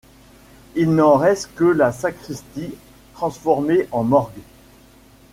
Il n'en reste que la sacristie transformée en morgue.